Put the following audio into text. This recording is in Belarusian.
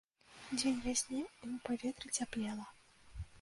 Дзень яснеў, і ў паветры цяплела.